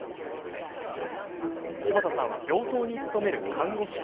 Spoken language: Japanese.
柴田さんは病棟に勤める看護師。